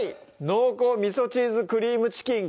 「濃厚みそチーズクリームチキン」